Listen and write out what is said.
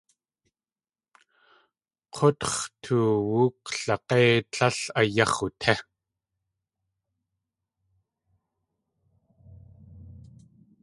K̲útx̲ toowú klag̲é tlél áyáx̲ utí.